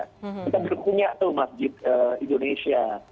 kita belum punya tuh masjid indonesia